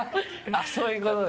あっそういう事ね。